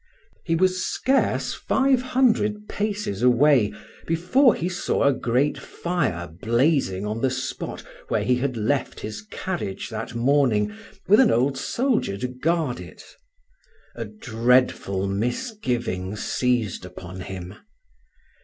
He was scarce five hundred paces away before he saw a great fire blazing on the spot where he had left his carriage that morning with an old soldier to guard it. A dreadful misgiving seized upon him.